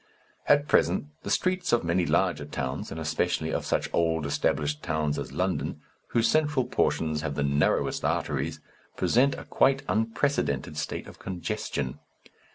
At present the streets of many larger towns, and especially of such old established towns as London, whose central portions have the narrowest arteries, present a quite unprecedented state of congestion.